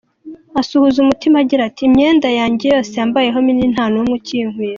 Asuhuza umutima agira ati: “imyenda yanjye yose yambayeho minini nta n’umwe ukinkwira.